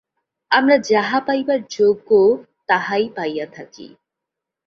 আমরা যাহা পাইবার যোগ্য, তাহাই পাইয়া থাকি।